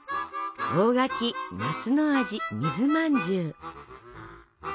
大垣夏の味水まんじゅう。